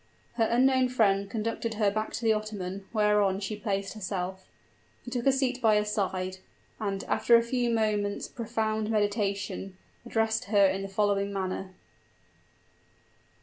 Her unknown friend conducted her back to the ottoman, whereon she placed herself. He took a seat by her side, and, after a few moments' profound meditation, addressed her in the following manner.